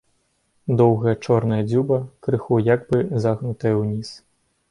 Доўгая чорная дзюба крыху як бы загнутая ўніз.